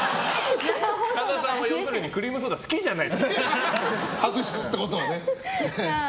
神田さんは要するにクリームソーダ好きじゃない。